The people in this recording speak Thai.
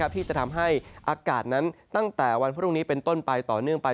ที่จะทำให้อากาศนั้นตั้งแต่วันพรุ่งนี้เป็นต้นไปต่อเนื่องไป